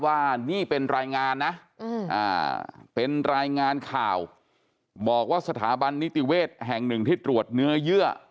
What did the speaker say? ว่านี่เป็นรายงานนะเป็นรายงานข่าวบอกว่าสถาบันนิติเวศแห่งหนึ่งที่ตรวจเนื้อเยื่อ